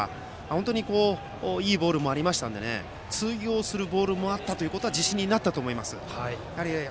本当にいいボールもあったので通用するボールもあったことは自信になったと思います。